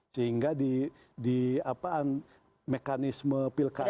sehingga di mekanisme pilkadanya